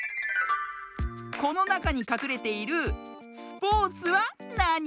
このなかにかくれている「スポーツ」はなに？